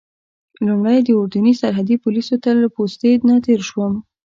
لومړی د اردني سرحدي پولیسو له پوستې نه تېر شوم.